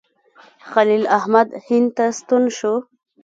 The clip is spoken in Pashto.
خلیل احمد هند ته ستون شو.